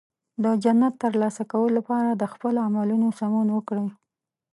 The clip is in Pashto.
د جنت ترلاسه کولو لپاره د خپل عملونو سمون وکړئ.